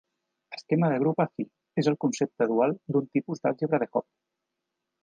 "Esquema de grup afí" és el concepte dual d'un tipus d'àlgebra de Hopf.